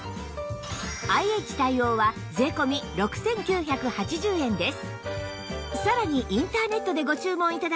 ＩＨ 対応は税込６９８０円です